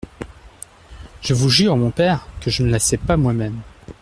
Je vous jure, mon père, que je ne la sais pas moi-même.